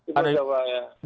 di pulau jawa ya